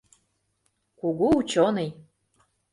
— Кугу учёный.